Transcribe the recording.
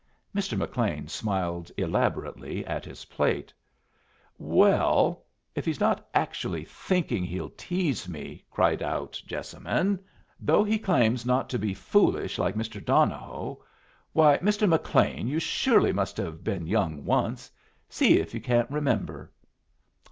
Mr. McLean smiled elaborately at his plate "Well, if he's not actually thinking he'll tease me!" cried out Jessamine "Though he claims not to be foolish like Mr. Donohoe. Why, Mr. McLean, you surely must have been young once! See if you can't remember!"